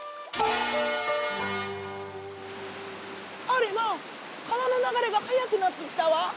あれまあ川の流れが速くなってきたわ。